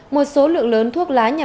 một số lượng lớn thuốc lái nhập